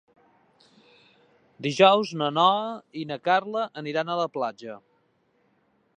Dijous na Noa i na Carla aniran a la platja.